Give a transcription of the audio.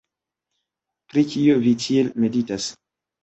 Pri kio vi tiel meditas?